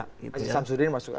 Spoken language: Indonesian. pak haji samsudin masuk ada